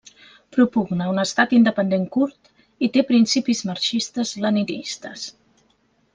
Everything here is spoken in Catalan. Propugna un estat independent kurd i té principis marxistes leninistes.